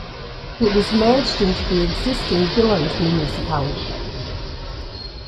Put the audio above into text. It was merged into the existing Billund municipality.